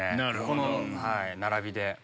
この並びで。